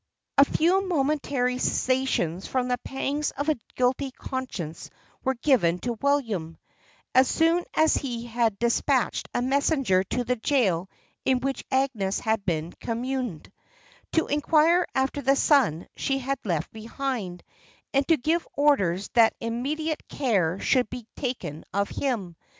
A few momentary cessations from the pangs of a guilty conscience were given to William, as soon as he had despatched a messenger to the jail in which Agnes had been communed, to inquire after the son she had left behind, and to give orders that immediate care should be taken of him.